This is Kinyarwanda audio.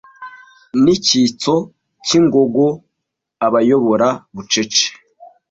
n'icyitso cy'ingogo abayobora bucece